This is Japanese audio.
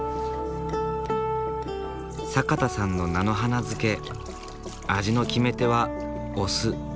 坂田さんの菜の花漬け味の決め手はお酢。